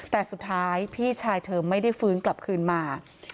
แต่สุดท้ายพี่ชายเธอไม่ได้ฟื้นกลับคืนมา